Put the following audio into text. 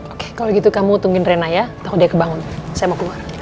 oke kalo gitu kamu tungguin rena ya tau dia kebangun saya mau keluar